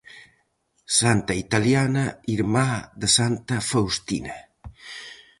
Santa italiana, irmá de santa Faustina.